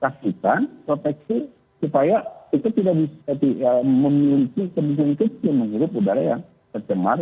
dikasihkan proteksi supaya itu tidak bisa memiliki kemungkinan kecil menghirup udara yang tercemar